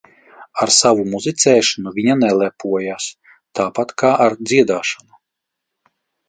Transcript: Ar savu muzicēšanu viņa nelepojās, tāpat kā ar dziedāšanu.